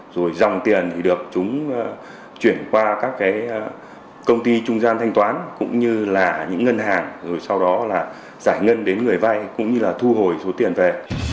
rồi dòng tiền thì được chúng chuyển qua các công ty trung gian thanh toán cũng như là những ngân hàng rồi sau đó là giải ngân đến người vay cũng như là thu hồi số tiền về